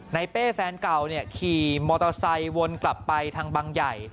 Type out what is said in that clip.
เป้แฟนเก่าขี่มอเตอร์ไซค์วนกลับไปทางบังใหญ่